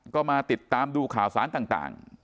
ก็มาติดตามดูข่าวสารต่าง